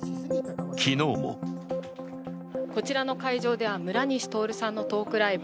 昨日もこちらの会場では村西とおるさんのトークライブ